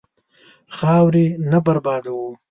خاورې نه بربادوه.